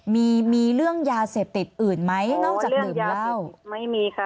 มีมีเรื่องยาเสพติดอื่นไหมนอกจากดื่มเหล้าไม่มีค่ะ